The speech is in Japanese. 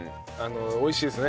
美味しいですね。